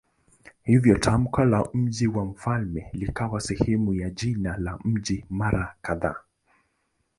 Hivyo tamko la "mji wa mfalme" likawa sehemu ya jina la mji mara kadhaa.